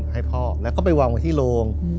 ให้พ่อแล้วก็ไปวางไว้ที่โรง